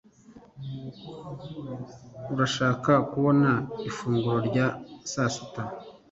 urashaka kubona ifunguro rya sasita